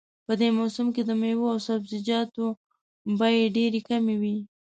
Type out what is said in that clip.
په دې موسم کې د میوو او سبزیجاتو بیې ډېرې کمې وي